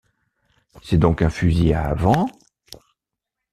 C’est donc un fusil à vent ?